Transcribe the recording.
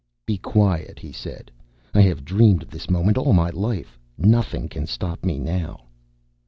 "Be quiet," he said. "I have dreamed of this moment all my life. Nothing can stop me now."